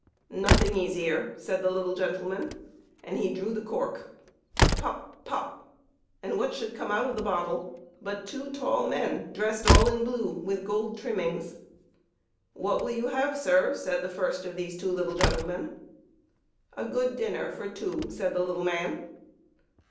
" Nothing easier !" said the little gentleman, and he drew the cork. Pop ! pop ! and what should come out of the bottle but two tall men, dressed all in blue with gold trim mings. " What will you have, sir ?" said the first of these to the little gentleman. " A good dinner for two," said the little man.